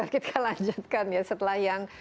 kita lanjutkan ya setelah yang